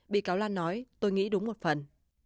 bị cáo lan nói tôi nghĩ đúng một phần